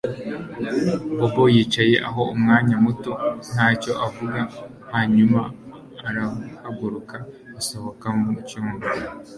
Bobo yicaye aho umwanya muto ntacyo avuga hanyuma arahaguruka asohoka mu cyumba